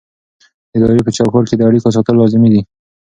د ادارې په چوکاټ کې د اړیکو ساتل لازمي دي.